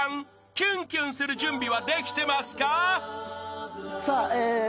キュンキュンする準備はできてますか？］